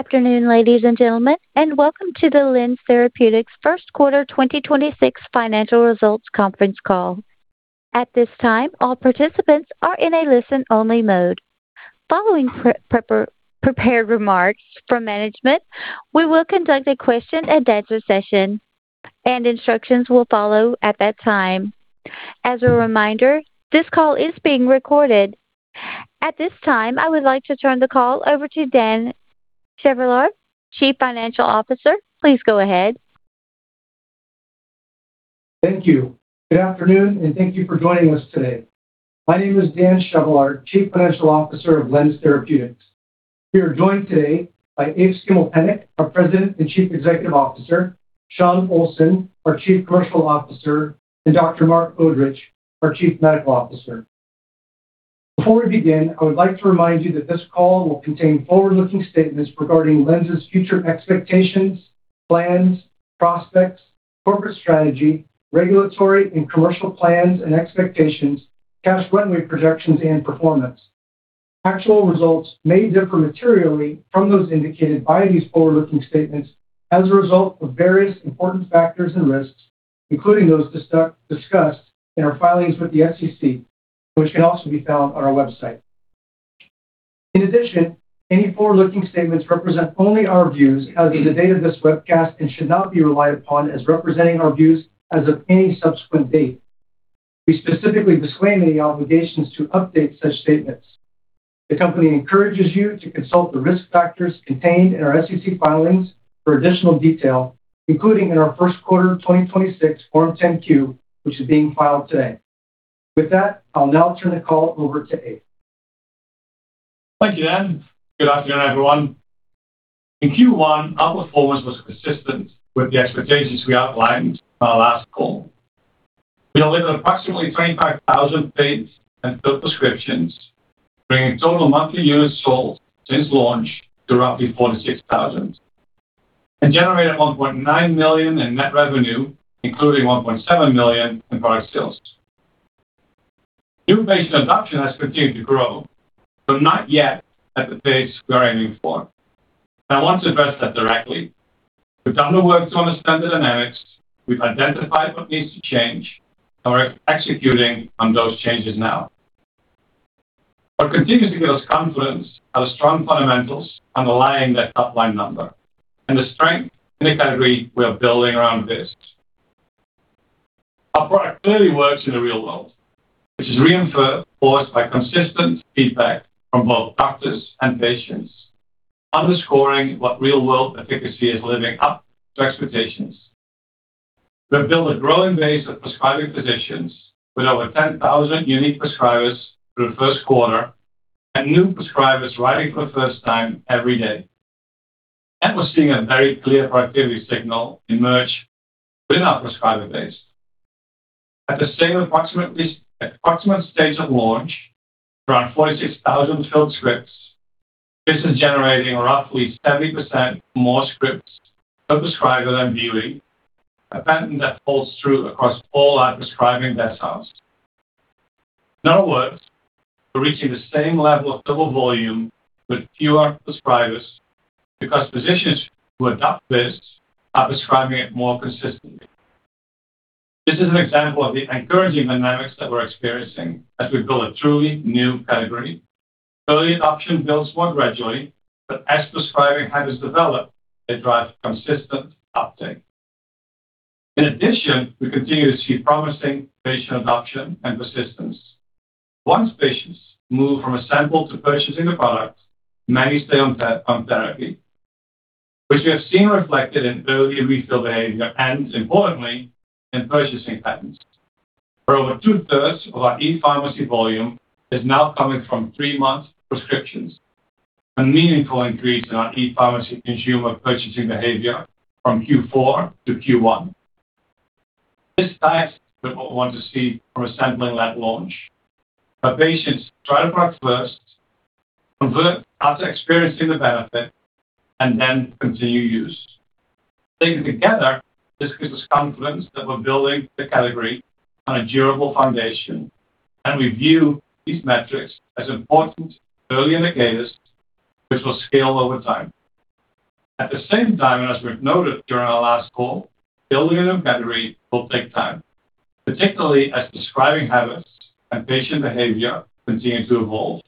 Good afternoon, ladies and gentlemen, and welcome to the LENZ Therapeutics' First Quarter 2026 financial results conference call. At this time, all participants are in a listen-only mode. Following prepared remarks from management, we will conduct a question-and-answer session, and instructions will follow at that time. As a reminder, this call is being recorded. At this time, I would like to turn the call over to Dan Chevallard, Chief Financial Officer. Please go ahead. Thank you. Good afternoon and thank you for joining us today. My name is Dan Chevallard, Chief Financial Officer of LENZ Therapeutics. We are joined today by Eef Schimmelpennink, our President and Chief Executive Officer, Shawn Olsson, our Chief Commercial Officer, and Dr. Marc Odrich, our Chief Medical Officer. Before we begin, I would like to remind you that this call will contain forward-looking statements regarding LENZ's future expectations, plans, prospects, corporate strategy, regulatory and commercial plans and expectations, cash runway projections and performance. Actual results may differ materially from those indicated by these forward-looking statements as a result of various important factors and risks, including those discussed in our filings with the SEC, which can also be found on our website. In addition, any forward-looking statements represent only our views as of the date of this webcast and should not be relied upon as representing our views as of any subsequent date. We specifically disclaim any obligations to update such statements. The company encourages you to consult the risk factors contained in our SEC filings for additional detail, including in our first quarter 2026 Form 10-Q, which is being filed today. With that, I'll now turn the call over to Eef. Thank you, Dan. Good afternoon, everyone. In Q1, our performance was consistent with the expectations we outlined on our last call. We delivered approximately 25,000 paid and filled prescriptions, bringing total monthly units sold since launch to roughly 46,000 and generated $1.9 million in net revenue, including $1.7 million in product sales. New patient adoption has continued to grow, but not yet at the pace we're aiming for. I want to address that directly. We've done the work to understand the dynamics, we've identified what needs to change, and we're executing on those changes now. What continues to give us confidence are the strong fundamentals underlying that top-line number and the strength in the category we are building around VIZZ. Our product clearly works in the real world, which is reinforced by consistent feedback from both doctors and patients, underscoring what real-world efficacy is living up to expectations. We've built a growing base of prescribing physicians with over 10,000 unique prescribers through the first quarter and new prescribers writing for the first time every day. We're seeing a very clear proprietary signal emerge within our prescriber base. At the same approximate stage of launch, around 46,000 filled scripts, this is generating roughly 70% more scripts per prescriber than VUITY, a pattern that holds true across all our prescribing deciles. In other words, we're reaching the same level of fill volume with fewer prescribers because physicians who adopt VIZZ are prescribing it more consistently. This is an example of the encouraging dynamics that we're experiencing as we build a truly new category. Early adoption builds more gradually, but as prescribing habits develop, they drive consistent uptake. In addition, we continue to see promising patient adoption and persistence. Once patients move from a sample to purchasing the product, many stay on that on therapy, which we have seen reflected in early refill behavior and importantly, in purchasing patterns. For over 2/3 of our ePharmacy volume is now coming from three-month prescriptions, a meaningful increase in our ePharmacy consumer purchasing behavior from Q4 to Q1. This ties with what we want to see from a sampling at launch. Our patients try the product first, convert after experiencing the benefit, and then continue use. Taken together, this gives us confidence that we're building the category on a durable foundation, and we view these metrics as important early indicators which will scale over time. At the same time, as we've noted during our last call, building a new category will take time, particularly as prescribing habits and patient behavior continue to evolve.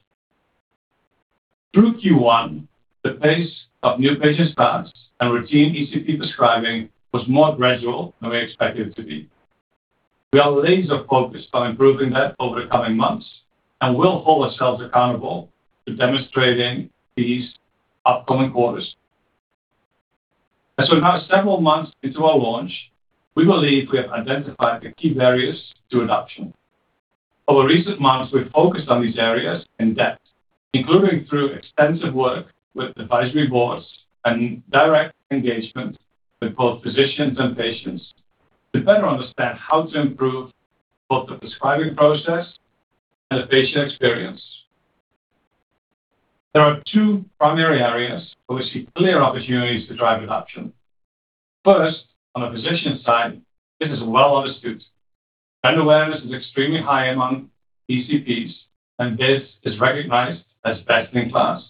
Through Q1, the pace of new patient starts and routine ECP prescribing was more gradual than we expected it to be. We are laser-focused on improving that over the coming months and will hold ourselves accountable to demonstrating these upcoming quarters. As we're now several months into our launch, we believe we have identified the key barriers to adoption. Over recent months, we've focused on these areas in depth, including through extensive work with advisory boards and direct engagement with both physicians and patients to better understand how to improve both the prescribing process and the patient experience. There are two primary areas where we see clear opportunities to drive adoption. First, on the physician side, this is well understood. Brand awareness is extremely high among ECPs, and this is recognized as best in class.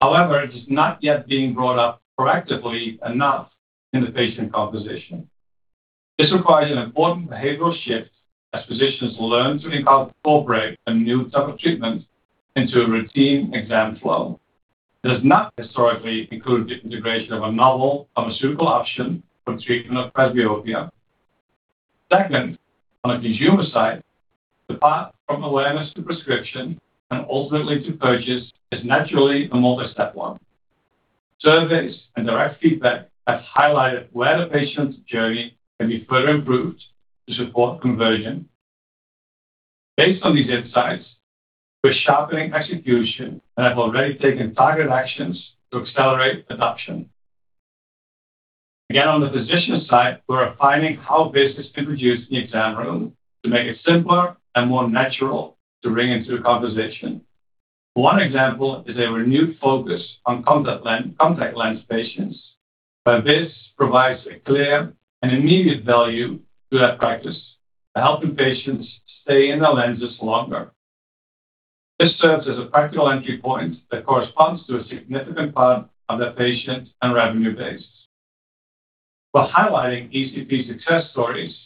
However, it is not yet being brought up proactively enough in the patient conversation. This requires an important behavioral shift as physicians learn to incorporate a new type of treatment into a routine exam flow. It has not historically included the integration of a novel pharmaceutical option for treatment of presbyopia. Second, on a consumer side, the path from awareness to prescription and ultimately to purchase is naturally a multi-step one. Surveys and direct feedback have highlighted where the patient's journey can be further improved to support conversion. Based on these insights, we're sharpening execution and have already taken targeted actions to accelerate adoption. On the physician side, we're refining how this is introduced in the exam room to make it simpler and more natural to bring into the conversation. One example is a renewed focus on contact lens patients, where this provides a clear and immediate value to that practice by helping patients stay in their lenses longer. This serves as a practical entry point that corresponds to a significant part of their patient and revenue base. We're highlighting ECP success stories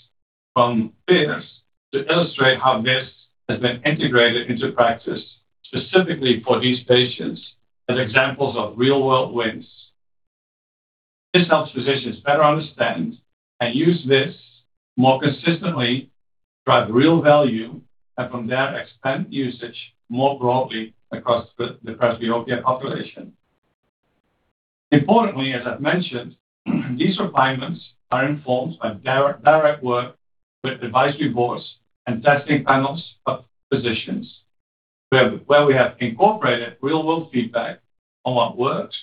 from peers to illustrate how this has been integrated into practice specifically for these patients as examples of real-world wins. This helps physicians better understand and use this more consistently, drive real value, and from there expand usage more broadly across the presbyopia population. Importantly, as I've mentioned, these refinements are informed by direct work with advisory boards and testing panels of physicians where we have incorporated real-world feedback on what works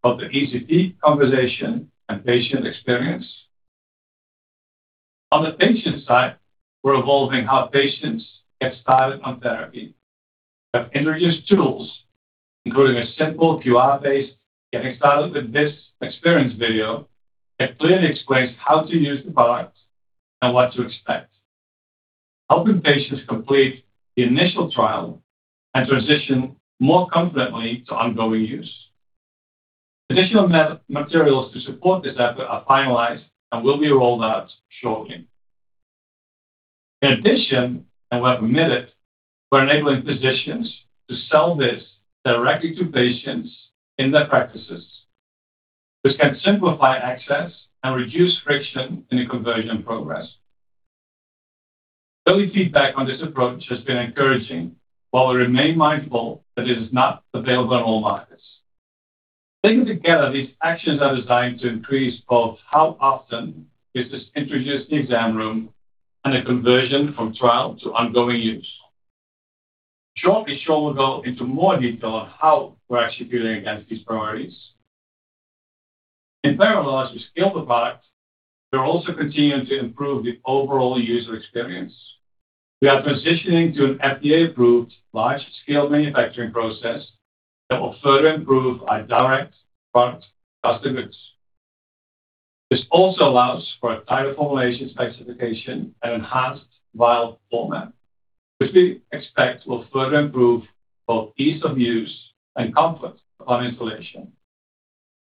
and how to improve both the ECP conversation and patient experience. On the patient side, we're evolving how patients get started on therapy. We have introduced tools, including a simple QR-based getting started with this experience video that clearly explains how to use the product and what to expect, helping patients complete the initial trial and transition more confidently to ongoing use. Additional materials to support this effort are finalized and will be rolled out shortly. In addition, and where permitted, we're enabling physicians to sell this directly to patients in their practices. This can simplify access and reduce friction in the conversion process. Early feedback on this approach has been encouraging, while we remain mindful that it is not available in all markets. Taken together, these actions are designed to increase both how often this is introduced in the exam room and a conversion from trial to ongoing use. Shortly, Shawn will go into more detail on how we're executing against these priorities. In parallel, as we scale the product, we are also continuing to improve the overall user experience. We are transitioning to an FDA-approved large-scale manufacturing process that will further improve our direct product cost of goods. This also allows for a tighter formulation specification and enhanced vial format, which we expect will further improve both ease of use and comfort upon instillation.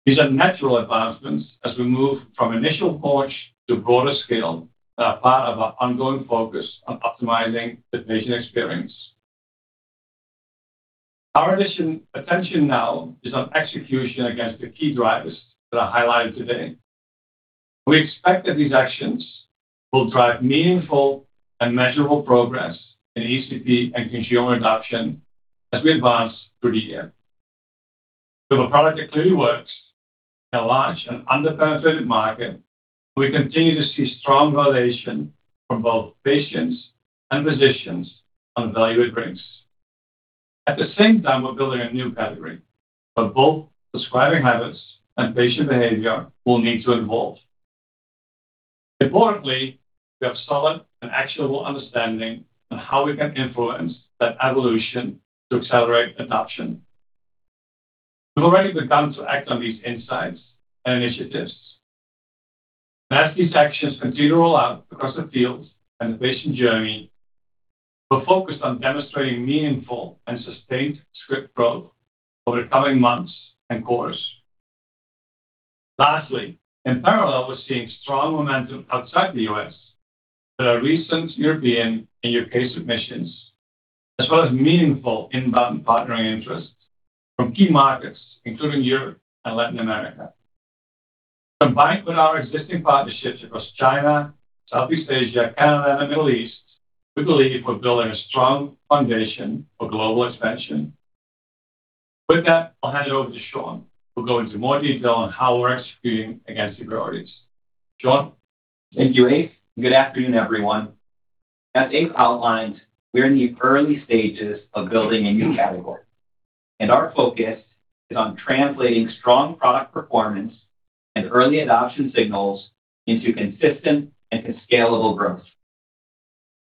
These are natural advancements as we move from initial launch to broader scale that are part of our ongoing focus on optimizing the patient experience. Our additional attention now is on execution against the key drivers that I highlighted today. We expect that these actions will drive meaningful and measurable progress in ECP and consumer adoption as we advance through the year. With a product that clearly works in a large and underpenetrated market, we continue to see strong validation from both patients and physicians on the value it brings. At the same time, we're building a new category, but both prescribing habits and patient behavior will need to evolve. Importantly, we have solid and actionable understanding on how we can influence that evolution to accelerate adoption. We've already begun to act on these insights and initiatives. As these actions continue to roll out across the field and the patient journey, we're focused on demonstrating meaningful and sustained script growth over the coming months and quarters. Lastly, in parallel, we're seeing strong momentum outside the U.S. There are recent European and U.K. submissions, as well as meaningful inbound partnering interest from key markets, including Europe and Latin America. Combined with our existing partnerships across China, Southeast Asia, Canada, and the Middle East, we believe we're building a strong foundation for global expansion. With that, I'll hand it over to Shawn, who'll go into more detail on how we're executing against the priorities. Shawn? Thank you, Eef. Good afternoon, everyone. As Eef outlined, we are in the early stages of building a new category, and our focus is on translating strong product performance and early adoption signals into consistent and scalable growth.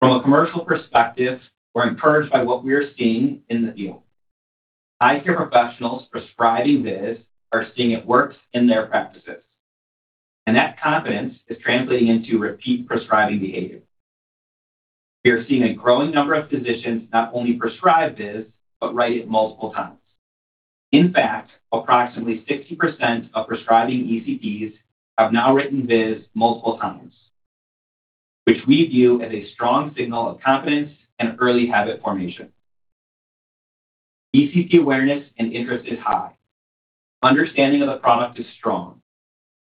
From a commercial perspective, we're encouraged by what we are seeing in the field. Eye care professionals prescribing VIZZ are seeing it works in their practices, and that confidence is translating into repeat prescribing behavior. We are seeing a growing number of physicians not only prescribe VIZZ but write it multiple times. In fact, approximately 60% of prescribing ECPs have now written VIZZ multiple times, which we view as a strong signal of confidence and early habit formation. ECP awareness and interest is high, understanding of the product is strong,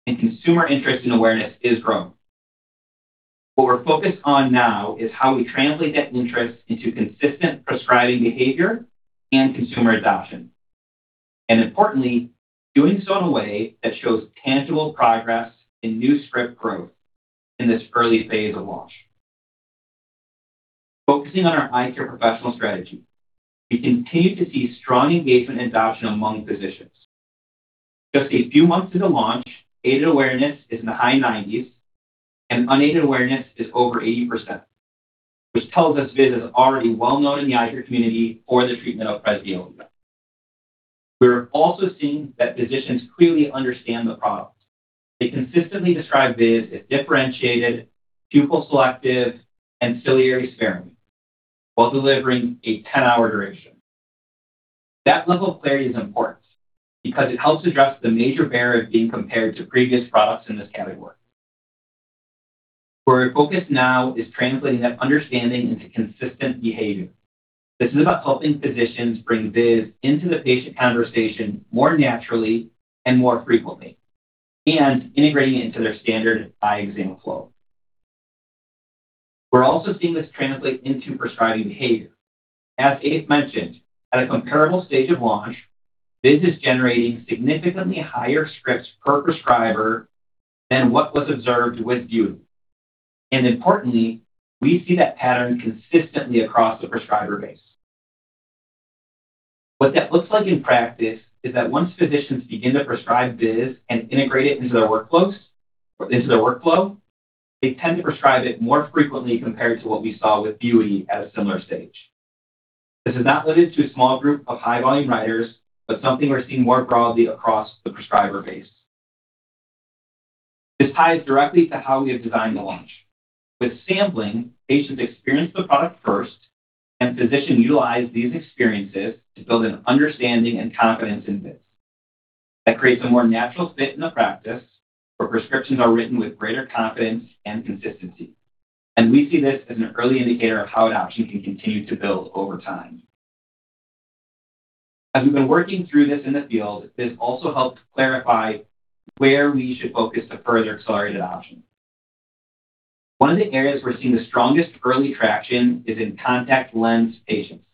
and consumer interest and awareness is growing. What we're focused on now is how we translate that interest into consistent prescribing behavior and consumer adoption, and importantly, doing so in a way that shows tangible progress in new script growth in this early phase of launch. Focusing on our eye care professional strategy, we continue to see strong engagement adoption among physicians. Just a few months into launch, aided awareness is in the high 90s, and unaided awareness is over 80%, which tells us VIZZ is already well-known in the eye care community for the treatment of presbyopia. We're also seeing that physicians clearly understand the product. They consistently describe VIZZ as differentiated, pupil-selective, and ciliary sparing while delivering a 10-hour duration. That level of clarity is important because it helps address the major barrier of being compared to previous products in this category. Where our focus now is translating that understanding into consistent behavior. This is about helping physicians bring VIZZ into the patient conversation more naturally and more frequently and integrating it into their standard eye exam flow. We're also seeing this translate into prescribing behavior. As Eef mentioned, at a comparable stage of launch, VIZZ is generating significantly higher scripts per prescriber than what was observed with VUITY, and importantly, we see that pattern consistently across the prescriber base. What that looks like in practice is that once physicians begin to prescribe VIZZ and integrate it into their workflows, or into their workflow, they tend to prescribe it more frequently compared to what we saw with VUITY at a similar stage. This is not limited to a small group of high-volume writers, but something we're seeing more broadly across the prescriber base. This ties directly to how we have designed the launch. With sampling, patients experience the product first, and physician utilize these experiences to build an understanding and confidence in VIZZ. That creates a more natural fit in the practice, where prescriptions are written with greater confidence and consistency, and we see this as an early indicator of how adoption can continue to build over time. As we've been working through this in the field, this also helped clarify where we should focus to further accelerate adoption. One of the areas we're seeing the strongest early traction is in contact lens patients.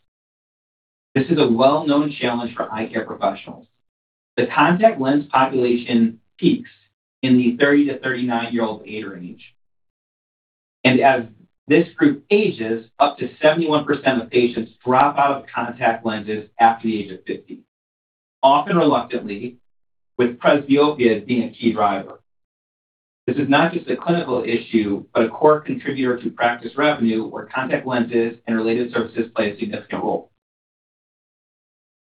This is a well-known challenge for eye care professionals. The contact lens population peaks in the 30 to 39-year-old age range. As this group ages, up to 71% of patients drop out of contact lenses after the age of 50, often reluctantly, with presbyopia being a key driver. This is not just a clinical issue, but a core contributor to practice revenue where contact lenses and related services play a significant role.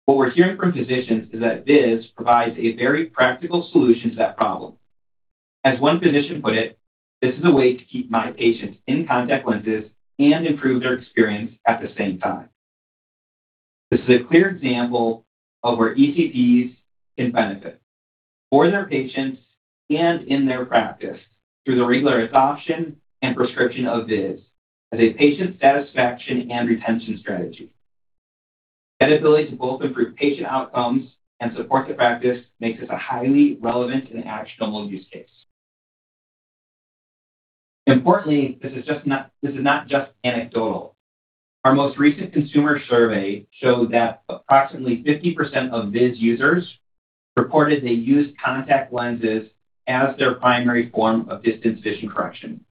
What we're hearing from physicians is that VIZZ provides a very practical solution to that problem. As one physician put it, "This is a way to keep my patients in contact lenses and improve their experience at the same time." This is a clear example of where ECPs can benefit for their patients and in their practice through the regular adoption and prescription of VIZZ as a patient satisfaction and retention strategy. That ability to both improve patient outcomes and support the practice makes this a highly relevant and actionable use case. Importantly, this is not just anecdotal. Our most recent consumer survey showed that approximately 50% of VIZZ users reported they used contact lenses as their primary form of distance vision correction,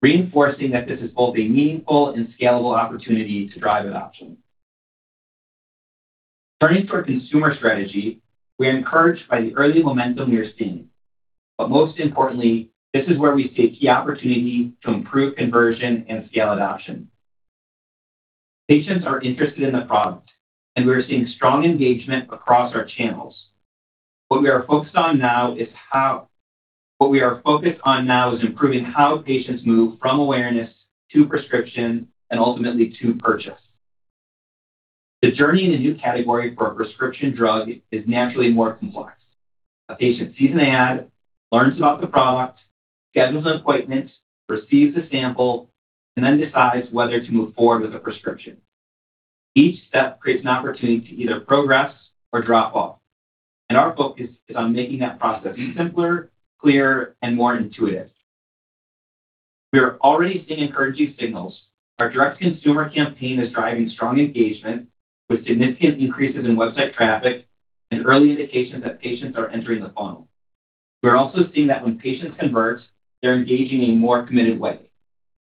reinforcing that this is both a meaningful and scalable opportunity to drive adoption. Turning to our consumer strategy, we are encouraged by the early momentum we are seeing, but most importantly, this is where we see a key opportunity to improve conversion and scale adoption. Patients are interested in the product, and we are seeing strong engagement across our channels. What we are focused on now is improving how patients move from awareness to prescription and ultimately to purchase. The journey in the new category for a prescription drug is naturally more complex. A patient sees an ad, learns about the product, schedules an appointment, receives a sample, and then decides whether to move forward with a prescription. Each step creates an opportunity to either progress or drop off, and our focus is on making that process simpler, clearer, and more intuitive. We are already seeing encouraging signals. Our direct consumer campaign is driving strong engagement with significant increases in website traffic and early indications that patients are entering the funnel. We're also seeing that when patients convert, they're engaging in a more committed way.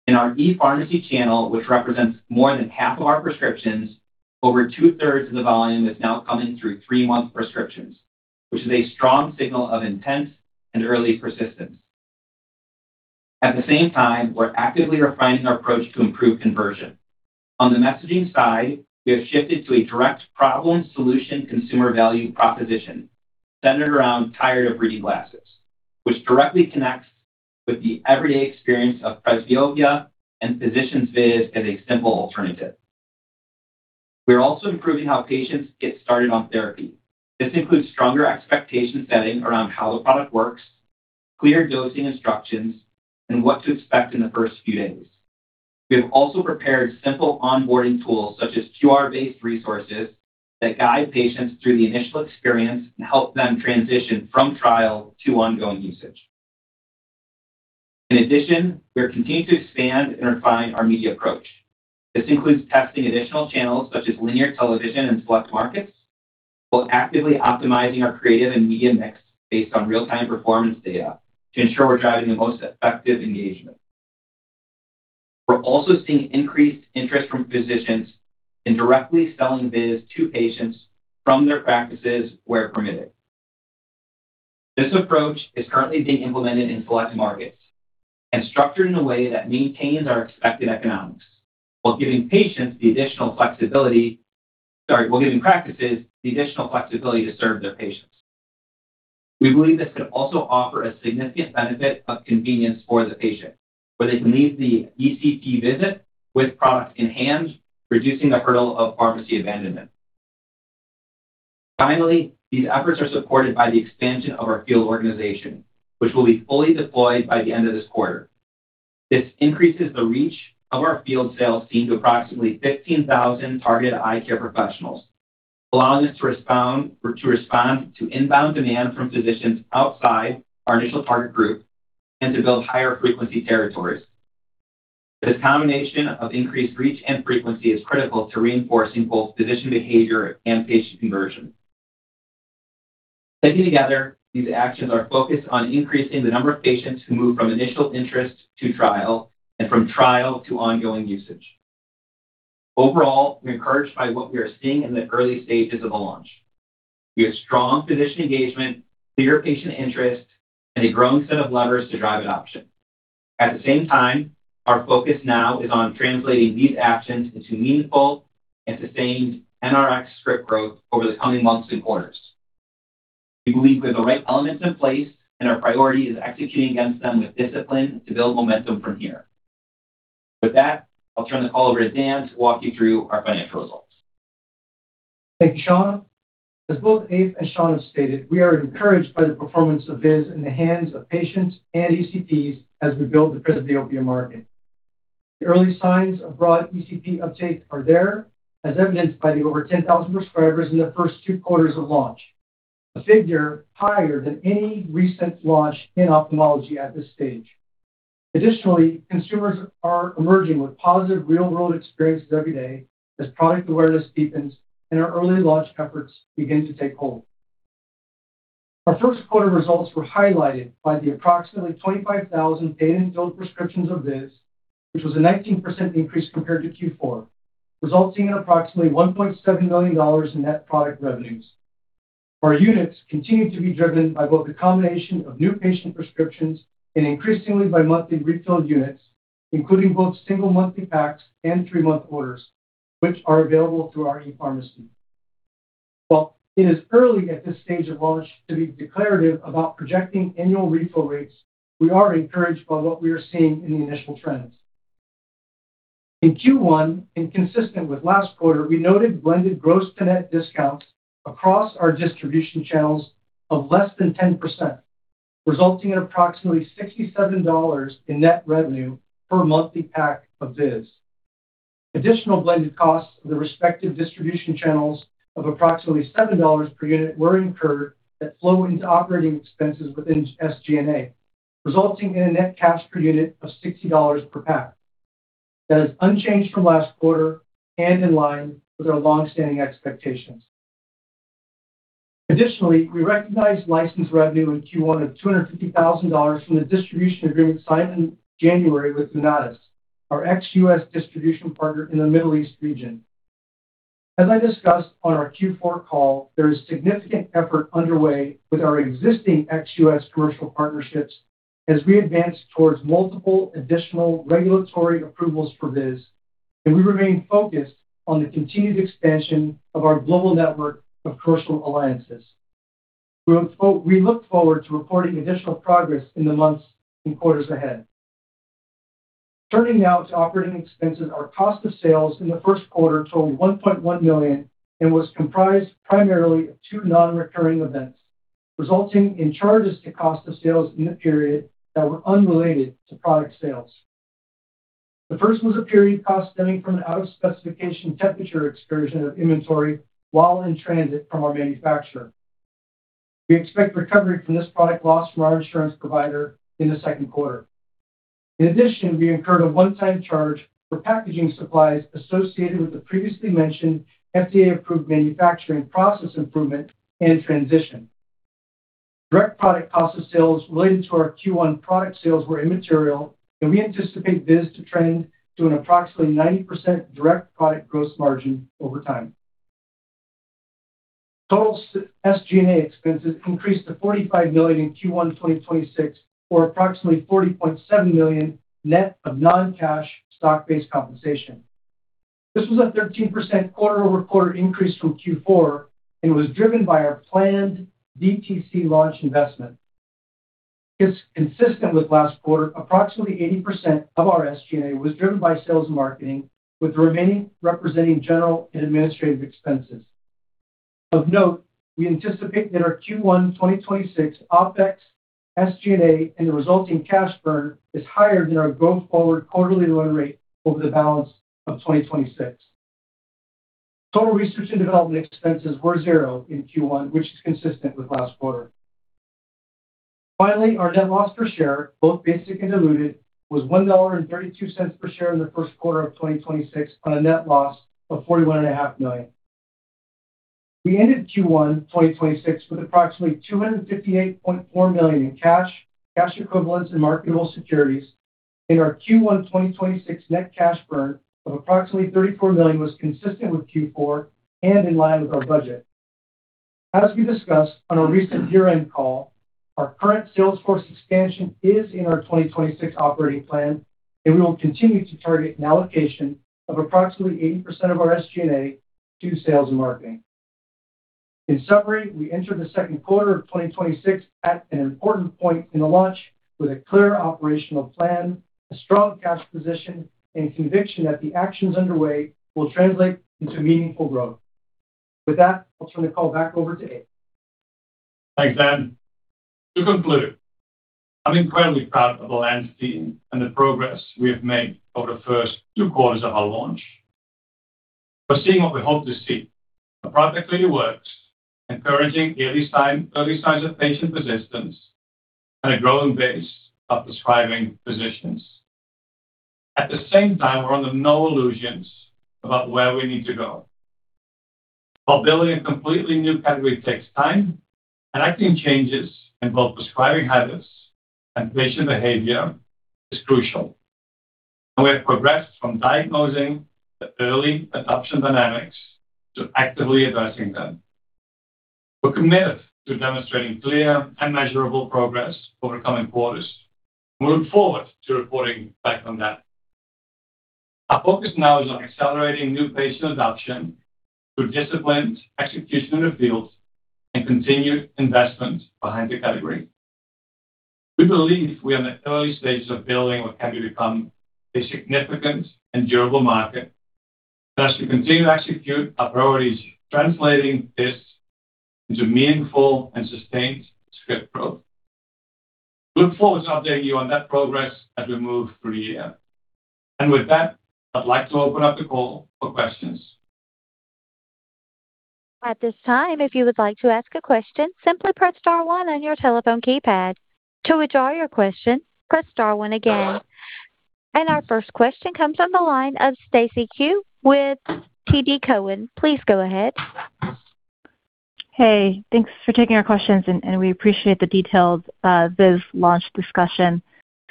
In our ePharmacy channel, which represents more than half of our prescriptions, over 2/3 of the volume is now coming through three-month prescriptions, which is a strong signal of intent and early persistence. At the same time, we're actively refining our approach to improve conversion. On the messaging side, we have shifted to a direct problem-solution consumer value proposition centered around tired of reading glasses, which directly connects with the everyday experience of presbyopia and physicians VIZZ as a simple alternative. We are also improving how patients get started on therapy. This includes stronger expectation setting around how the product works, clear dosing instructions, and what to expect in the first few days. We have also prepared simple onboarding tools such as QR-based resources that guide patients through the initial experience and help them transition from trial to ongoing usage. In addition, we are continuing to expand and refine our media approach. This includes testing additional channels such as linear television in select markets, while actively optimizing our creative and media mix based on real-time performance data to ensure we're driving the most effective engagement. We're also seeing increased interest from physicians in directly selling VIZZ to patients from their practices where permitted. This approach is currently being implemented in select markets and structured in a way that maintains our expected economics while giving patients the additional flexibility, sorry, giving practices the additional flexibility to serve their patients. We believe this could also offer a significant benefit of convenience for the patient, where they can leave the ECP visit with products in hand, reducing the hurdle of pharmacy abandonment. Finally, these efforts are supported by the expansion of our field organization, which will be fully deployed by the end of this quarter. This increases the reach of our field sales team to approximately 15,000 targeted eye care professionals, allowing us to respond to inbound demand from physicians outside our initial target group and to build higher frequency territories. This combination of increased reach and frequency is critical to reinforcing both physician behavior and patient conversion. Taken together, these actions are focused on increasing the number of patients who move from initial interest to trial and from trial to ongoing usage. Overall, we're encouraged by what we are seeing in the early stages of the launch. We have strong physician engagement, clear patient interest, and a growing set of levers to drive adoption. At the same time, our focus now is on translating these actions into meaningful and sustained NRx script growth over the coming months and quarters. We believe we have the right elements in place, and our priority is executing against them with discipline to build momentum from here. With that, I'll turn the call over to Dan to walk you through our financial results. Thank you, Shawn. As both Eef and Shawn have stated, we are encouraged by the performance of VIZZ in the hands of patients and ECPs as we build the presbyopia market. The early signs of broad ECP uptake are there, as evidenced by the over 10,000 prescribers in the first two quarters of launch, a figure higher than any recent launch in ophthalmology at this stage. Additionally, consumers are emerging with positive real-world experiences every day as product awareness deepens and our early launch efforts begin to take hold. Our first quarter results were highlighted by the approximately 25,000 data-filled prescriptions of VIZZ, which was a 19% increase compared to Q4, resulting in approximately $1.7 million in net product revenues. Our units continue to be driven by both the combination of new patient prescriptions and increasingly by monthly refilled units, including both single monthly packs and three-month orders, which are available through our ePharmacy. While it is early at this stage of launch to be declarative about projecting annual refill rates, we are encouraged by what we are seeing in the initial trends. In Q1, and consistent with last quarter, we noted blended gross-to-net discounts across our distribution channels of less than 10%, resulting in approximately $67 in net revenue per monthly pack of VIZZ. Additional blended costs of the respective distribution channels of approximately $7 per unit were incurred that flow into operating expenses within SG&A, resulting in a net cash per unit of $60 per pack. That is unchanged from last quarter and in line with our long-standing expectations. Additionally, we recognized license revenue in Q1 of $250,000 from the distribution agreement signed in January with Lunatus, our ex-U.S. distribution partner in the Middle East region. As I discussed on our Q4 call, there is significant effort underway with our existing ex-U.S. commercial partnerships as we advance towards multiple additional regulatory approvals for VIZZ, and we remain focused on the continued expansion of our global network of commercial alliances. We look forward to reporting additional progress in the months and quarters ahead. Turning now to operating expenses, our cost of sales in the first quarter totaled $1.1 million and was comprised primarily of two non-recurring events, resulting in charges to cost of sales in the period that were unrelated to product sales. The first was a period cost stemming from an out-of-specification temperature excursion of inventory while in transit from our manufacturer. We expect recovery from this product loss from our insurance provider in the second quarter. In addition, we incurred a one-time charge for packaging supplies associated with the previously mentioned FDA-approved manufacturing process improvement and transition. Direct product cost of sales related to our Q1 product sales were immaterial, and we anticipate this to trend to an approximately 90% direct product gross margin over time. Total SG&A expenses increased to $45 million in Q1 2026, or approximately $40.7 million net of non-cash stock-based compensation. This was a 13% quarter-over-quarter increase from Q4 and was driven by our planned DTC launch investment. It's consistent with last quarter. Approximately 80% of our SG&A was driven by sales and marketing, with the remaining representing general and administrative expenses. Of note, we anticipate that our Q1 2026 OpEx, SG&A, and the resulting cash burn is higher than our go-forward quarterly run rate over the balance of 2026. Total research and development expenses were zero in Q1, which is consistent with last quarter. Finally, our net loss per share, both basic and diluted, was $1.32 per share in the first quarter of 2026 on a net loss of $41.5 million. We ended Q1 2026 with approximately $258.4 million in cash, cash equivalents, and marketable securities in our Q1 2026 net cash burn of approximately $34 million, was consistent with Q4 and in line with our budget. As we discussed on our recent year-end call, our current sales force expansion is in our 2026 operating plan, and we will continue to target an allocation of approximately 80% of our SG&A to sales and marketing. In summary, we enter the second quarter of 2026 at an important point in the launch with a clear operational plan, a strong cash position, and conviction that the actions underway will translate into meaningful growth. With that, I'll turn the call back over to Eef. Thanks, Dan. To conclude, I'm incredibly proud of the LENZ team and the progress we have made over the first two quarters of our launch. We're seeing what we hope to see. The product really works, encouraging early signs of patient persistence and a growing base of prescribing physicians. At the same time, we're under no illusions about where we need to go. While building a completely new category takes time, enacting changes in both prescribing habits and patient behavior is crucial. We have progressed from diagnosing the early adoption dynamics to actively addressing them. We're committed to demonstrating clear and measurable progress over the coming quarters. We look forward to reporting back on that. Our focus now is on accelerating new patient adoption through disciplined execution in the field and continued investment behind the category. We believe we are in the early stages of building what can become a significant and durable market, as we continue to execute our priorities, translating this into meaningful and sustained script growth. We look forward to updating you on that progress as we move through the year. With that, I'd like to open up the call for questions. At this time, if you would like to ask a question, simply press star one on your telephone keypad. To withdraw your question, press star one again. Our first question comes on the line of Stacy Ku with TD Cowen. Please go ahead. Hey, thanks for taking our questions and we appreciate the detailed VIZZ launch discussion.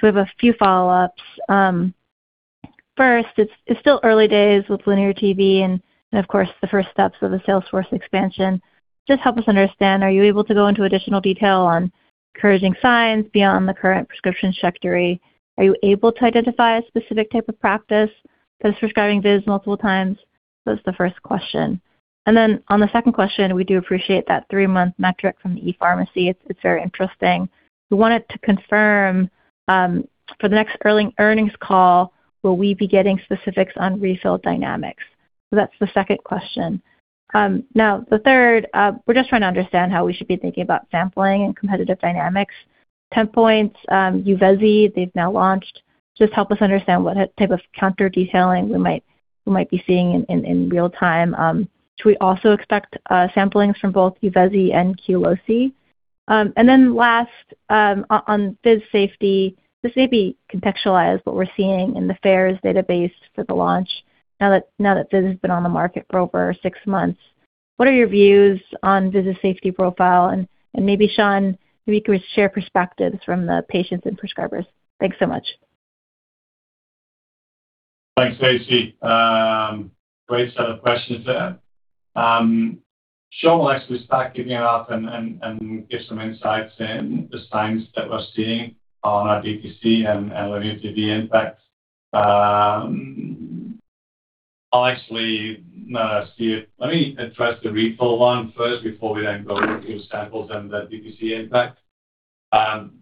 We have a few follow-ups. First, it's still early days with linear TV and of course, the first steps of the sales force expansion. Just help us understand, are you able to go into additional detail on encouraging signs beyond the current prescription trajectory? Are you able to identify a specific type of practice that's prescribing VIZZ multiple times? That's the first question. On the second question, we do appreciate that three-month metric from the ePharmacy, it's very interesting. We wanted to confirm, for the next earnings call, will we be getting specifics on refill dynamics? That's the second question. Now the third, we're just trying to understand how we should be thinking about sampling and competitive dynamics. Tenpoint's YUVEZZI, they've now launched. Just help us understand what type of counter detailing we might, we might be seeing in real time. Should we also expect samplings from both YUVEZZI and Qlosi? Last, on VIZZ safety, just maybe contextualize what we're seeing in the FAERS database for the launch now that VIZZ has been on the market for over six months. What are your views on VIZZ's safety profile? Maybe, Shawn, maybe you could share perspectives from the patients and prescribers. Thanks so much. Thanks, Stacy. Great set of questions there. Shawn will actually start kicking it off and give some insights in the signs that we're seeing on our DTC and linear TV impact. I'll actually, no, let me address the refill one first before we then go into samples and the DTC impact.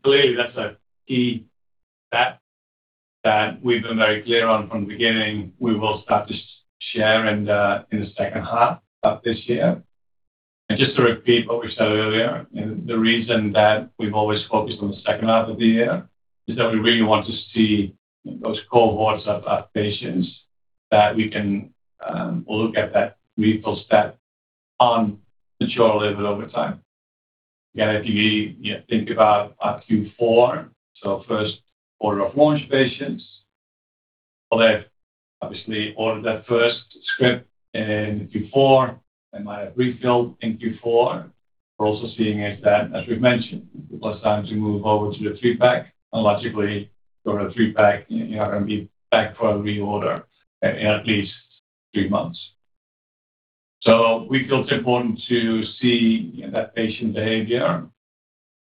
Clearly, that's a key stat that we've been very clear on from the beginning we will start to share in the second half of this year. Just to repeat what we said earlier, and the reason that we've always focused on the second half of the year is that we really want to see those cohorts of patients that we can look at that refill stat on a mature level over time. Again, if you know, think about Q4, so first quarter of launch patients, well, they've obviously ordered that first script in Q4 and might have refilled in Q4. We're also seeing is that, as we've mentioned, it was time to move over to the three-pack. Logically, go to three-pack, you know, you're going to be back for a reorder in at least three months. We feel it's important to see that patient behavior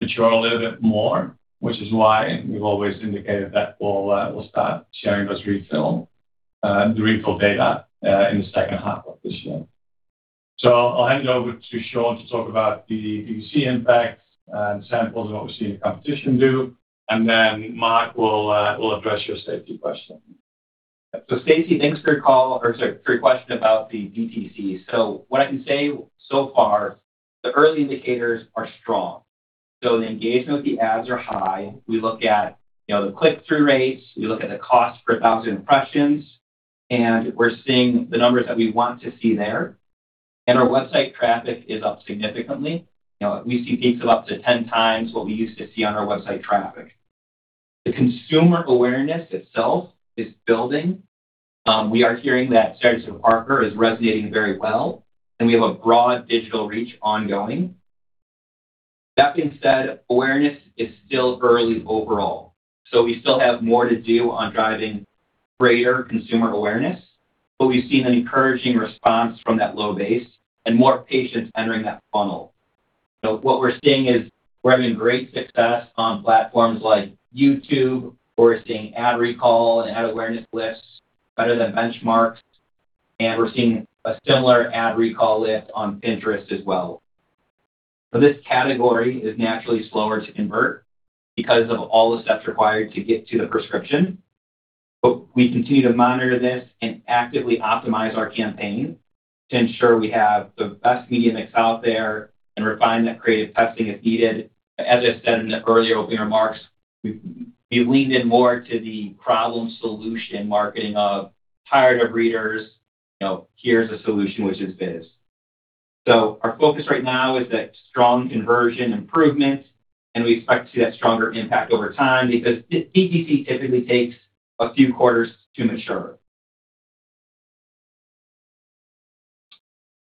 mature a little bit more, which is why we've always indicated that we'll start sharing those refill, the refill data, in the second half of this year. I'll hand it over to Shawn to talk about the DTC impact and samples and what we're seeing the competition do, and then Marc will address your safety question. Stacy, thanks for your call or sorry, for your question about the DTC. What I can say so far, the early indicators are strong. The engagement with the ads are high. We look at, you know, the click-through rates, we look at the cost per thousand impressions, and we're seeing the numbers that we want to see there. Our website traffic is up significantly. You know, we see peaks of up to 10 times what we used to see on our website traffic. The consumer awareness itself is building. We are hearing that Sarah J Parker is resonating very well, and we have a broad digital reach ongoing. That being said, awareness is still early overall, so we still have more to do on driving greater consumer awareness, but we've seen an encouraging response from that low base and more patients entering that funnel. What we're seeing is we're having great success on platforms like YouTube, we're seeing ad recall and ad awareness lifts better than benchmarks, and we're seeing a similar ad recall lift on Pinterest as well. This category is naturally slower to convert because of all the steps required to get to the prescription, but we continue to monitor this and actively optimize our campaign to ensure we have the best media mix out there and refine that creative testing if needed. As I said in the earlier opening remarks, we leaned in more to the problem-solution marketing of tired of readers, you know, here's a solution, which is VIZZ. Our focus right now is that strong conversion improvements, and we expect to see that stronger impact over time because DTC typically takes a few quarters to mature.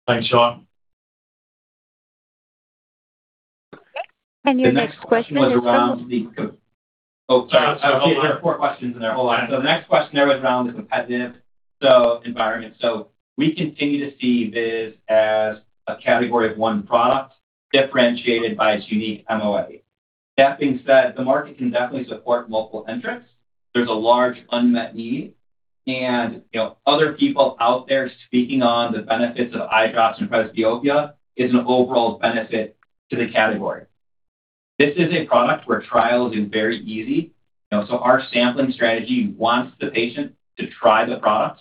Thanks, Shawn. Your next question is from. The next question was around the, sorry. No, it's all mine. There are four questions in there. Hold on. The next question there was around the competitive environment. We continue to see VIZZ as a category of one product differentiated by its unique MOA. That being said, the market can definitely support multiple entrants. There's a large unmet need. You know, other people out there speaking on the benefits of eye drops and presbyopia is an overall benefit to the category. This is a product where trials is very easy. You know, our sampling strategy wants the patient to try the product.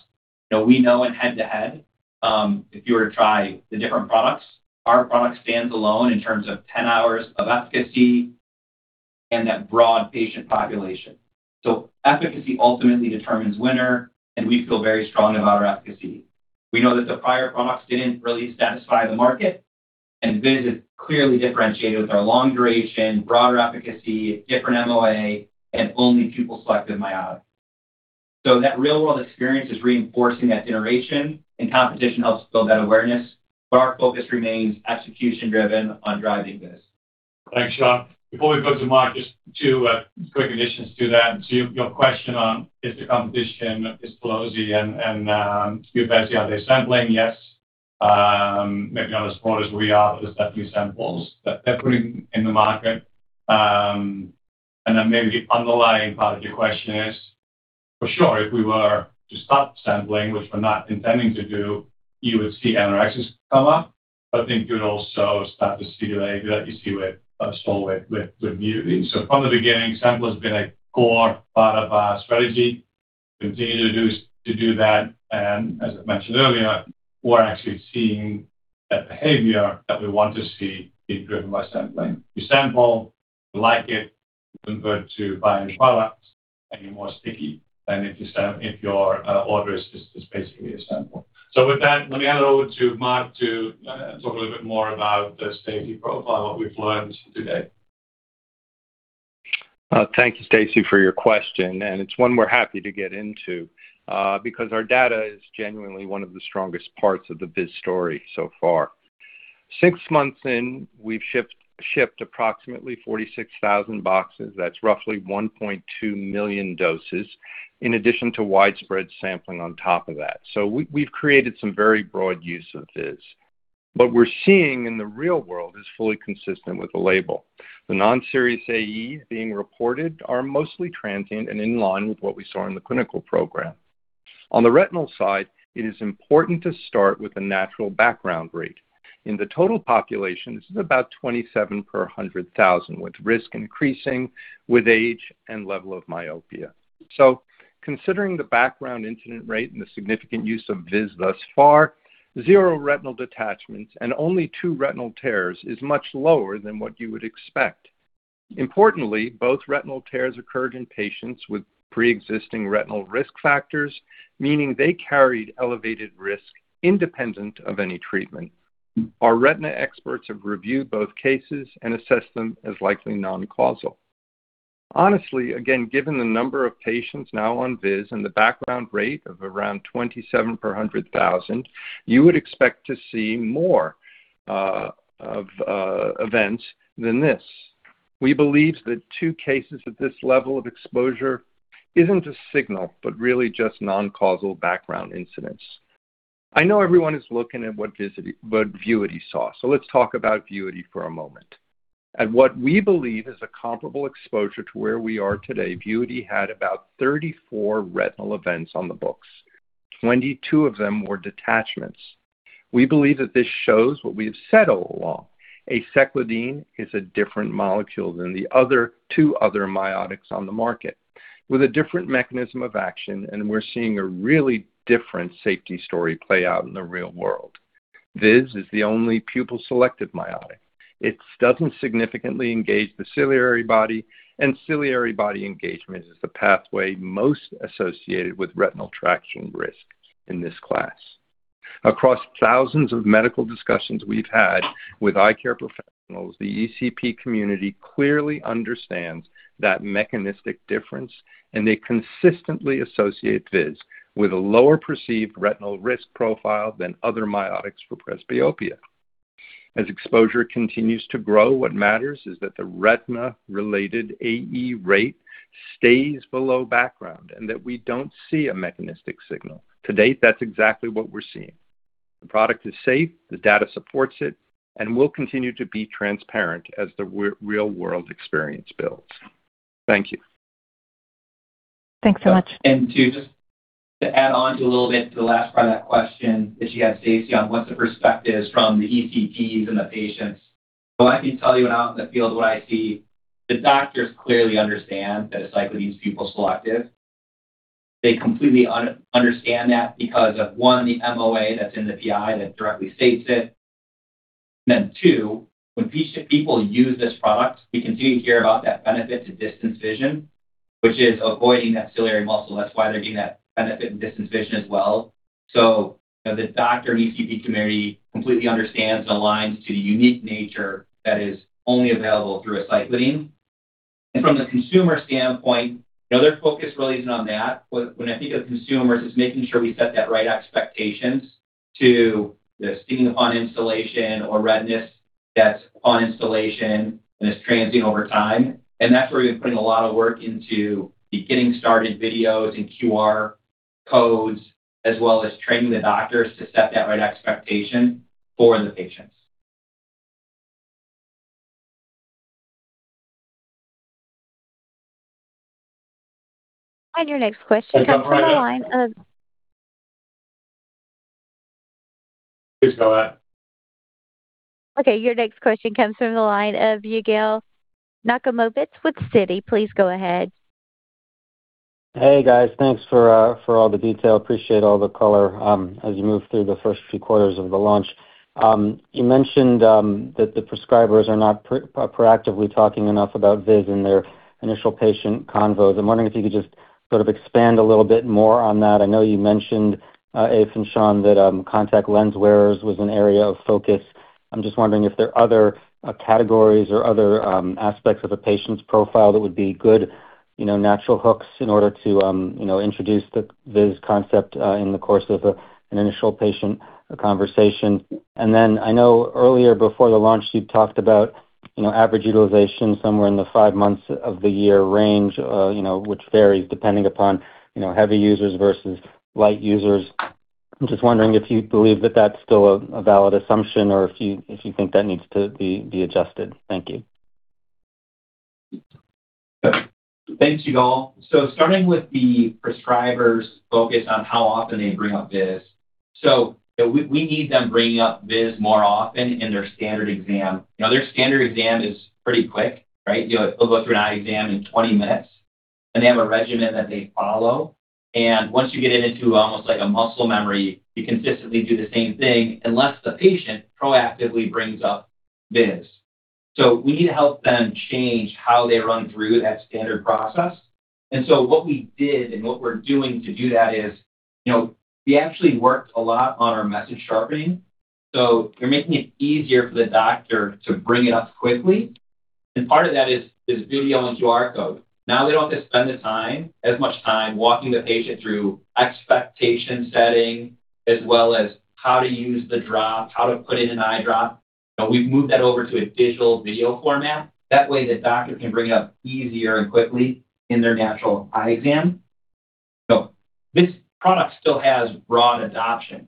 You know, we know in head-to-head, if you were to try the different products, our product stands alone in terms of 10 hours of efficacy and that broad patient population. Efficacy ultimately determines winner, and we feel very strong about our efficacy. We know that the prior products didn't really satisfy the market, and VIZZ is clearly differentiated with our long duration, broader efficacy, different MOA, and only pupil-selective miotic. That real-world experience is reinforcing that generation and competition helps build that awareness, but our focus remains execution-driven on driving this. Thanks, Shawn. Before we go to Marc, just two quick additions to that. To your question on is the competition, is Qlosi and YUVEZZI, are they sampling? Yes, maybe not as broad as we are with the study samples that they're putting in the market. Then, maybe the underlying part of your question is, for sure, if we were to stop sampling, which we're not intending to do, you would see NRxs come up. I think you would also start to see, regularly see with with new reads. From the beginning, sample has been a core part of our strategy, continue to do that, and as I mentioned earlier, we're actually seeing that behavior that we want to see being driven by sampling. You sample, you like it, convert to buying the product, and you're more sticky than if your order is just basically a sample. With that, let me hand it over to Marc to talk a little bit more about the safety profile and what we've learned today. Thank you, Stacy, for your question, and it's one we're happy to get into because our data is genuinely one of the strongest parts of the VIZZ story so far. Six months in, we've shipped approximately 46,000 boxes, that's roughly 1.2 million doses, in addition to widespread sampling on top of that. We've created some very broad use of VIZZ. What we're seeing in the real world is fully consistent with the label. The non-serious AEs being reported are mostly transient and in line with what we saw in the clinical program. On the retinal side, it is important to start with the natural background rate. In the total population, this is about 27 per 100,000, with risk increasing with age and level of myopia. Considering the background incident rate and the significant use of VIZZ thus far, zero retinal detachments and only two retinal tears is much lower than what you would expect. Importantly, both retinal tears occurred in patients with pre-existing retinal risk factors, meaning, they carried elevated risk independent of any treatment. Our retina experts have reviewed both cases and assessed them as likely non-causal. Honestly, again, given the number of patients now on VIZZ and the background rate of around 27 per 100,000, you would expect to see more of events than this. We believe that two cases at this level of exposure isn't a signal, but really just non-causal background incidents. I know everyone is looking at what VUITY saw, so let's talk about VUITY for a moment. At what we believe is a comparable exposure to where we are today, VUITY had about 34 retinal events on the books, 22 of them were detachments. We believe that this shows what we have said all along, aceclidine is a different molecule than the two other miotics on the market with a different mechanism of action, and we're seeing a really different safety story play out in the real world. VIZZ is the only pupil-selective miotic. It doesn't significantly engage the ciliary body, and ciliary body engagement is the pathway most associated with retinal traction risk in this class. Across thousands of medical discussions we've had with eye care professionals, the ECP community clearly understands that mechanistic difference, and they consistently associate VIZZ with a lower perceived retinal risk profile than other miotics for presbyopia. As exposure continues to grow, what matters is that the retina-related AE rate stays below background and that we don't see a mechanistic signal. To date, that's exactly what we're seeing. The product is safe, the data supports it, and we'll continue to be transparent as the real-world experience builds. Thank you. Thanks so much. To just to add on to a little bit to the last part of that question that you had, Stacy, on what the perspective is from the ECPs and the patients, well, I can tell you when out in the field what I see, the doctors clearly understand that aceclidine is pupil-selective. They completely understand that because of, one, the MOA that's in the PI that directly states it, then two, when people use this product, we continue to hear about that benefit to distance vision, which is avoiding that ciliary muscle. That's why they're getting that benefit in distance vision as well. You know, the doctor ECP community completely understands and aligns to the unique nature that is only available through aceclidine. From the consumer standpoint, you know, their focus really isn't on that. When I think of consumers, it's making sure we set that right expectations to the stinging upon instillation or redness that's on instillation and is transient over time. That's where we've been putting a lot of work into the getting started videos and QR codes, as well as training the doctors to set that right expectation for the patients. Your next question comes from the line of. Please go ahead. Okay, your next question comes from the line of Yigal Nochomovitz with Citi. Please go ahead. Hey, guys. Thanks for all the detail. Appreciate all the color as you move through the first few quarters of the launch. You mentioned that the prescribers are not proactively talking enough about VIZZ in their initial patient convos. I'm wondering if you could just sort of expand a little bit more on that. I know you mentioned, Eef and Shawn, that contact lens wearers was an area of focus. I'm just wondering if there are other categories or other aspects of a patient's profile that would be good, you know, natural hooks in order to introduce the VIZZ concept in the course of an initial patient conversation. Then, I know earlier before the launch, you talked about, you know, average utilization somewhere in the five months of the year range, you know, which varies depending upon, you know, heavy users versus light users. I'm just wondering if you believe that that's still a valid assumption or if you, if you think that needs to be adjusted. Thank you. Thanks, Yigal. Starting with the prescribers focused on how often they bring up VIZZ, we need them bringing up VIZZ more often in their standard exam. You know, their standard exam is pretty quick, right? They'll go through an eye exam in 20 minutes, and they have a regimen that they follow. Once you get it into almost like a muscle memory, you consistently do the same thing unless the patient proactively brings up VIZZ. We need to help them change how they run through that standard process. What we did and what we're doing to do that is, you know, we actually worked a lot on our message sharpening. We're making it easier for the doctor to bring it up quickly, and part of that is this video and QR code. They don't have to spend the time, as much time walking the patient through expectation setting as well as how to use the drop, how to put in an eye drop. You know, we've moved that over to a digital video format. That way, the doctor can bring it up easier and quickly in their natural eye exam. This product still has broad adoption.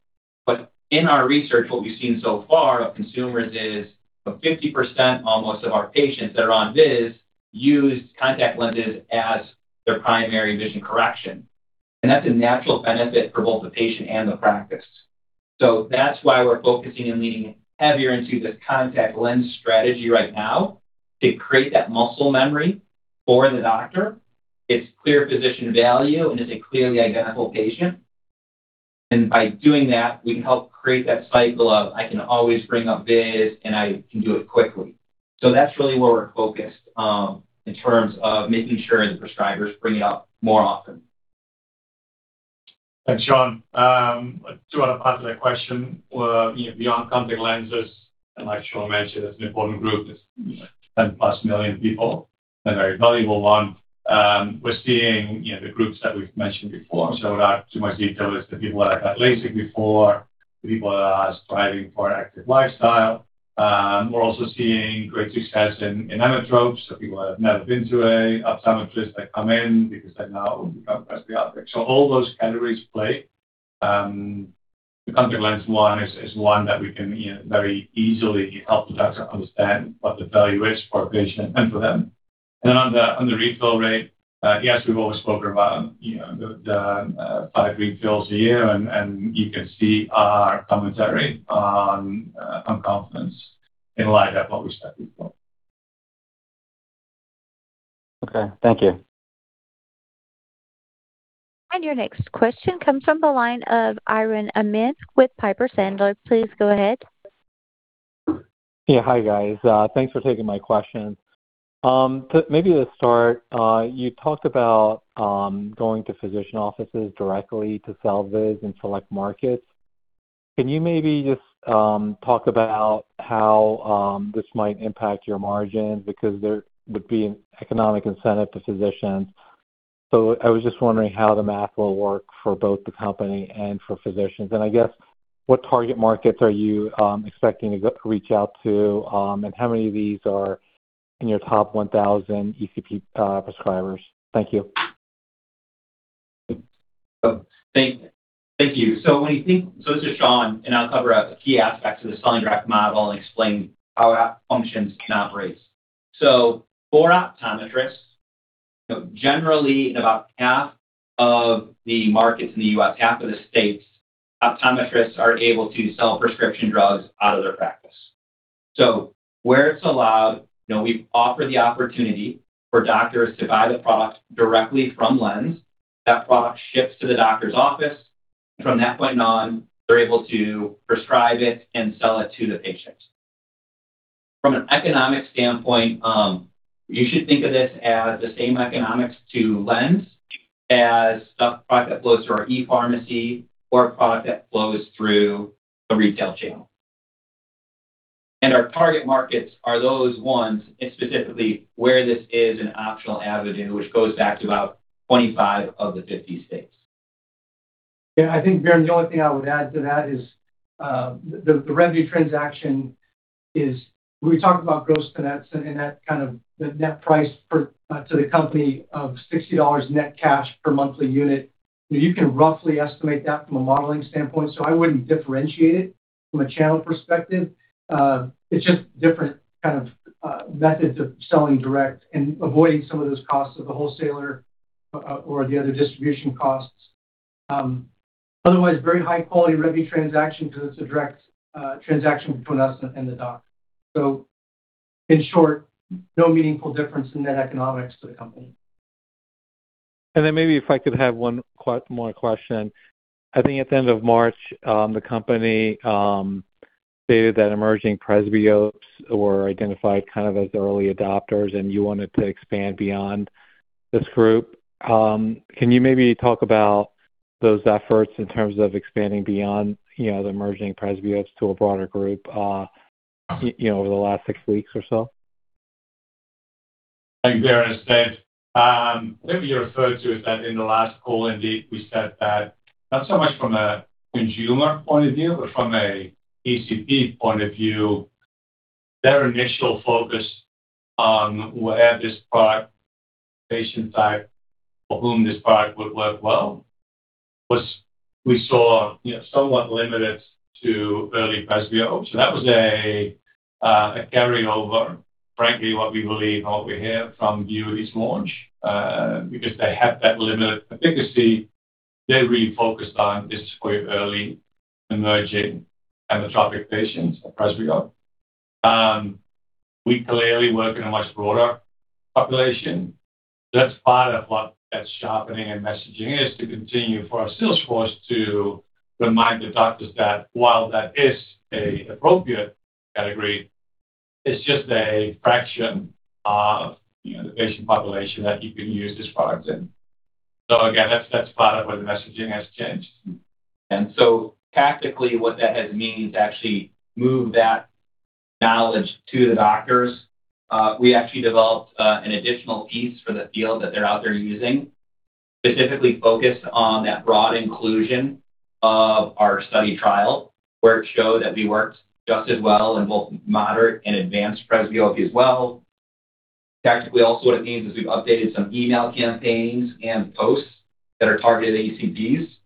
In our research, what we've seen so far of consumers is, 50% almost of our patients that are on VIZZ use contact lenses as their primary vision correction. That's a natural benefit for both the patient and the practice. That's why we're focusing and leaning heavier into the contact lens strategy right now to create that muscle memory for the doctor. It's clear physician value, and it's a clearly identifiable patient. By doing that, we can help create that cycle of I can always bring up VIZZ, and I can do it quickly. That's really where we're focused in terms of making sure the prescribers bring it up more often. Thanks, Shawn. Two other parts of that question, you know, beyond contact lenses, like Shawn mentioned, it's an important group, it's 10 million+ people, and a very valuable one. We're seeing, you know, the groups that we've mentioned before, so without too much detail, it's the people that have had LASIK before, the people that are striving for an active lifestyle. We're also seeing great success in emmetropes, so people that have never been to a optometrist, they come in because they're now becoming presbyopic. All those categories play. The contact lens one is one that we can very easily help the doctor understand what the value is for a patient and for them. On the refill rate, yes, we've always spoken about, you know, the five refills a year, and you can see our commentary on conference in light of what we said before. Okay. Thank you. Your next question comes from the line of Biren Amin with Piper Sandler. Please go ahead. Yeah, hi, guys. Thanks for taking my question. Maybe to start, you talked about going to physician offices directly to sell this in select markets. Can you maybe just talk about how this might impact your margin? Because there would be an economic incentive to physicians. I was just wondering how the math will work for both the company and for physicians. I guess, what target markets are you expecting to reach out to, and how many of these are in your top 1,000 ECP prescribers? Thank you. Thank you. This is Shawn, and I'll cover a key aspect to the selling direct model and explain how that functions and operates. For optometrists, generally, in about half of the markets in the U.S., half of the states, optometrists are able to sell prescription drugs out of their practice. Where it's allowed, you know, we offer the opportunity for doctors to buy the product directly from LENZ. That product ships to the doctor's office. From that point on, they're able to prescribe it and sell it to the patient. From an economic standpoint, you should think of this as the same economics to LENZ as a product that flows through our ePharmacy or a product that flows through a retail channel. Our target markets are those ones, and specifically, where this is an optional avenue, which goes back to about 25 of the 50 states. I think, Biren, the only thing I would add to that is the revy transaction is, when we talk about gross-to-nets and net kind of the net price per to the company of $60 net cash per monthly unit, you can roughly estimate that from a modeling standpoint, so I wouldn't differentiate it from a channel perspective. It's just different kind of methods of selling direct and avoiding some of those costs of the wholesaler or the other distribution costs. Otherwise, very high-quality revy transaction because it's a direct transaction between us and the doc. In short, no meaningful difference in net economics to the company. Maybe if I could have one more question. I think at the end of March, the company stated that emerging presbyopes were identified kind of as early adopters, and you wanted to expand beyond this group. Can you maybe talk about those efforts in terms of expanding beyond, you know, the emerging presbyopes to a broader group, you know, over the last six weeks or so? Thanks, Biren. As said, maybe you referred to it that in the last call, indeed, we said that not so much from a consumer point of view, but from a ECP point of view, their initial focus on who had this product, patient type for whom this product would work well was we saw, you know, somewhat limited to early presbyopes. That was a carryover, frankly, what we believe and what we hear from VUITY's launch. Because they have that limited efficacy, they really focused on this group early, emerging emmetropic patients of presbyope. We clearly work in a much broader population. That's part of what that sharpening and messaging is to continue for our sales force to remind the doctors that while that is a appropriate category, it's just a fraction of, you know, the patient population that you can use this product in. Again, that's part of where the messaging has changed. Tactically, what that has means actually move that knowledge to the doctors. We actually developed an additional piece for the field that they're out there using, specifically focused on that broad inclusion of our study trial, where it showed that we worked just as well in both moderate and advanced presbyopia as well. Tactically, also, what it means is we've updated some email campaigns and posts that are targeted at ECPs that bring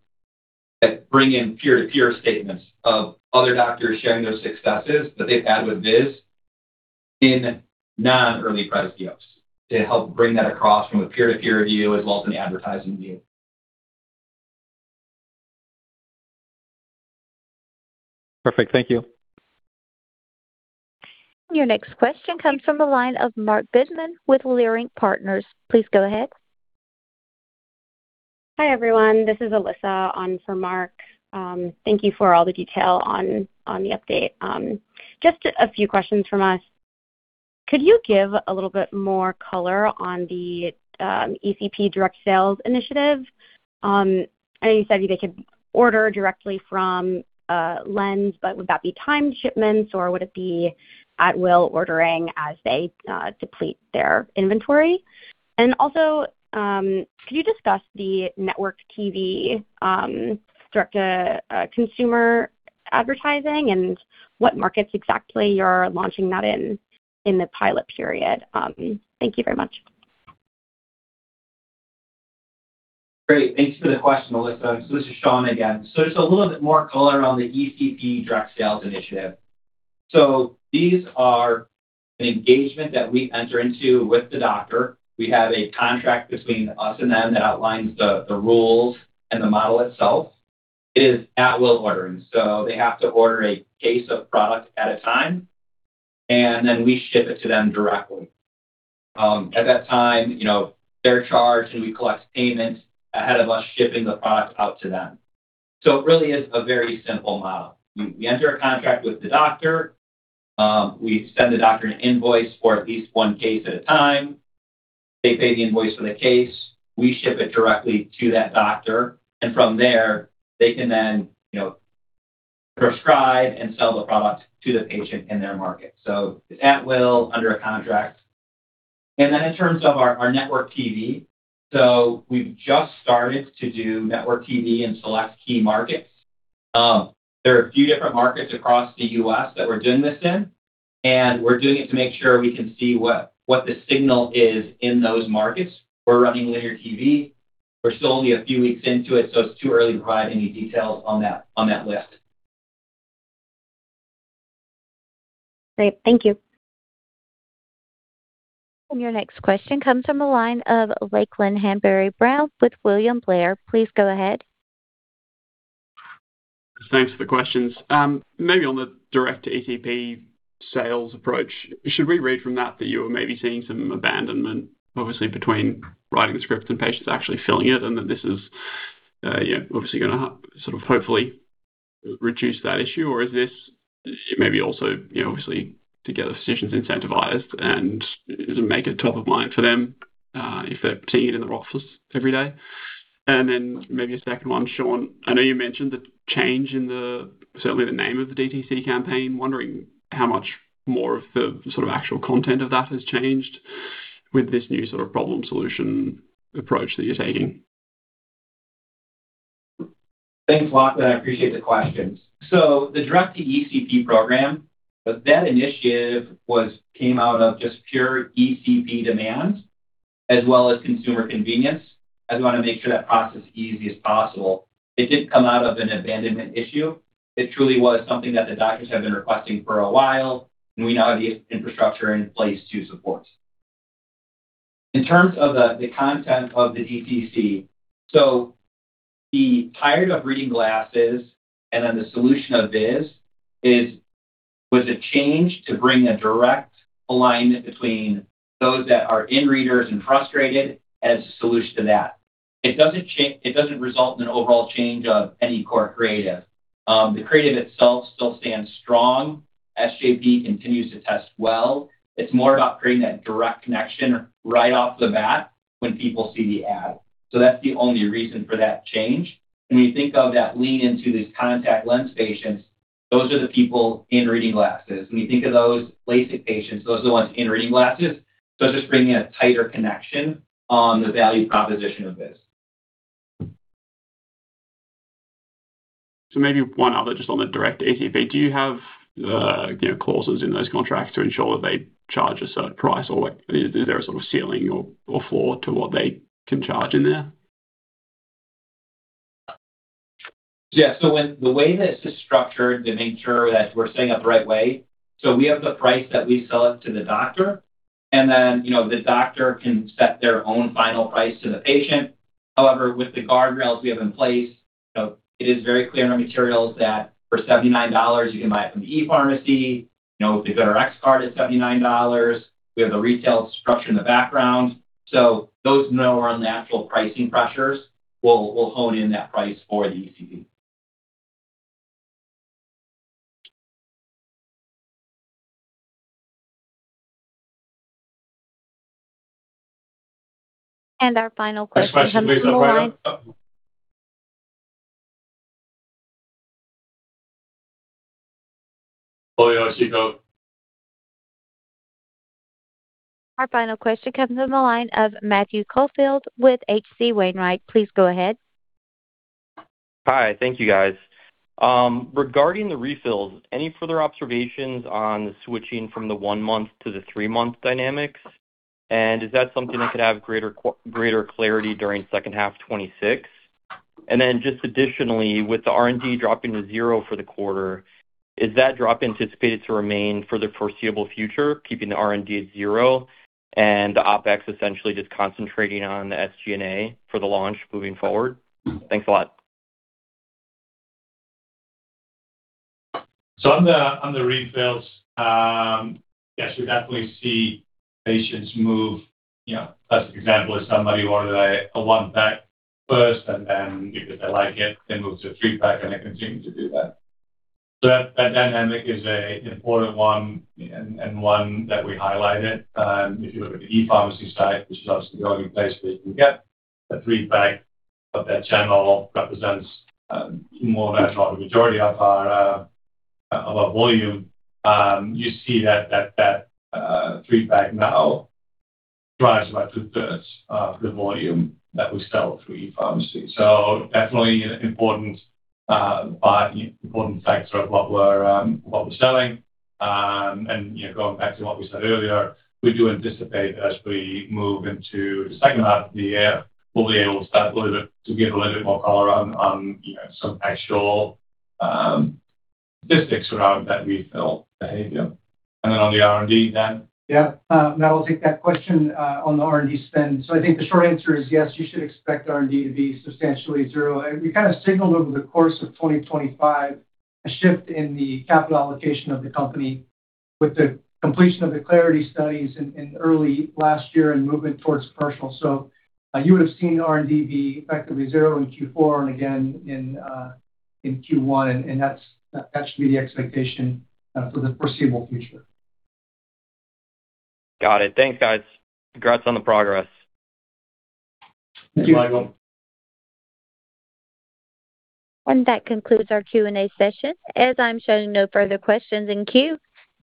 in peer-to-peer statements of other doctors sharing those successes that they've had with VIZZ in non-early presbyopes to help bring that across from a peer-to-peer view as well as an advertising view. Perfect. Thank you. Your next question comes from the line of Marc Goodman with Leerink Partners. Please go ahead. Hi, everyone. This is Alyssa on for Marc. Thank you for all the detail on the update. Just a few questions from us. Could you give a little bit more color on the ECP direct sales initiative? I know you said they could order directly from LENZ, but would that be timed shipments, or would it be at-will ordering as they deplete their inventory? Also, could you discuss the network TV direct-to-consumer advertising and what markets exactly you're launching that in the pilot period? Thank you very much. Great. Thanks for the question, Alyssa. This is Shawn again. Just a little bit more color on the ECP direct sales initiative. These are an engagement that we enter into with the doctor. We have a contract between us and them that outlines the rules and the model itself. It is at-will ordering, so they have to order a case of product at a time, and then we ship it to them directly. At that time, you know, they're charged, and we collect payment ahead of us shipping the products out to them. It really is a very simple model. We enter a contract with the doctor, we send the doctor an invoice for at least one case at a time, they pay the invoice for the case, we ship it directly to that doctor. From there, they can then, you know, prescribe and sell the product to the patient in their market. It's at will under a contract. In terms of our network TV, we've just started to do network TV in select key markets. There are a few different markets across the U.S. that we're doing this in, and we're doing it to make sure we can see what the signal is in those markets. We're running linear TV. We're still only a few weeks into it's too early to provide any details on that list. Great. Thank you. Your next question comes from the line of Lachlan Hanbury-Brown with William Blair. Please go ahead. Thanks for the questions. Maybe on the direct ECP sales approach, should we read from that you are maybe seeing some abandonment obviously between writing the script and patients actually filling it and that this is, you know, obviously gonna sort of hopefully reduce that issue? Or is this maybe also, you know, obviously to get the physicians incentivized and make it top of mind for them, if they're seeing it in their office every day? Then maybe a second one, Shawn. I know you mentioned the change in the, certainly the name of the DTC campaign. Wondering how much more of the sort of actual content of that has changed with this new sort of problem-solution approach that you're taking. Thanks a lot. I appreciate the questions. The direct-to-ECP Program, that initiative was, came out of just pure ECP demand as well as consumer convenience, as we wanna make sure that process is easy as possible. It didn't come out of an abandonment issue. It truly was something that the doctors have been requesting for a while, and we now have the infrastructure in place to support. In terms of the content of the DTC, so the tired of reading glasses and then the solution of VIZZ was a change to bring a direct alignment between those that are in readers and frustrated as a solution to that. It doesn't result in an overall change of any core creative. The creative itself still stands strong, SJP continues to test well. It's more about creating that direct connection right off the bat when people see the ad, so that's the only reason for that change. When you think of that lean into these contact lens patients, those are the people in reading glasses. When you think of those LASIK patients, those are the ones in reading glasses. It's just bringing a tighter connection on the value proposition of this. Maybe one other just on the direct ECP. Do you have, you know, clauses in those contracts to ensure that they charge a certain price or is there a sort of ceiling or floor to what they can charge in there? Yeah. The way that it's structured to make sure that we're setting up the right way, we have the price that we sell it to the doctor, and then, you know, the doctor can set their own final price to the patient. However, with the guardrails we have in place, you know, it is very clear in our materials that for $79, you can buy it from the ePharmacy. You know, we've got our Rx card at $79. We have a retail structure in the background. Those now are on the actual pricing pressures. We'll hone in that price for the ECP. Our final question comes from the line of Matthew Caufield with H.C. Wainwright. Please go ahead. Hi. Thank you, guys. Regarding the refills, any further observations on switching from the one-month to the three-month dynamics? Is that something that could have greater clarity during second half 2026? Just additionally, with the R&D dropping to zero for the quarter, is that drop anticipated to remain for the foreseeable future, keeping the R&D at zero and the OpEx essentially just concentrating on the SG&A for the launch moving forward? Thanks a lot. On the refills, yes, we definitely see patients move. You know, classic example is somebody ordered a one-pack first, and then because they like it, they move to three-pack and they continue to do that. That dynamic is an important one and one that we highlighted. If you look at the ePharmacy site, which is obviously the only place where you can get a three-pack, but that channel represents, more or less, well, the majority of our volume. You see that that three-pack now drives about 2/3 of the volume that we sell through ePharmacy, so definitely an important factor of what we're selling. You know, going back to what we said earlier, we do anticipate as we move into the second half of the year, we'll be able to give a little bit more color on, you know, some actual statistics around that refill behavior. Then on the R&D, Dan? Yeah. I will take that question on the R&D spend. I think the short answer is yes, you should expect R&D to be substantially zero. We kind of signaled over the course of 2025 a shift in the capital allocation of the company with the completion of the CLARITY studies in early last year and movement towards commercial. You would've seen R&D be effectively zero in Q4 and again in Q1, and that should be the expectation for the foreseeable future. Got it. Thanks, guys. Congrats on the progress. Thank you. Thanks, Matthew. That concludes our Q&A session. As I'm showing no further questions in queue,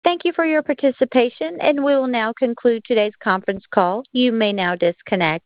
thank you for your participation, and we will now conclude today's conference call. You may now disconnect.